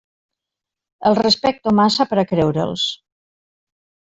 Els respecto massa per a creure'ls.